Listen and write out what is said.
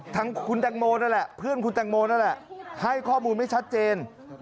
ทั้งคุณแตงโมนั่นแหละให้ข้อมูลไม่ชัดเจน